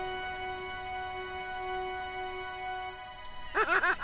アハハハ！